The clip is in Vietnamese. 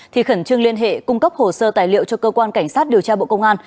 thì khẩn trương liên hệ cung cấp hồ sơ tài liệu cho cơ quan cảnh sát điều tra bộ công an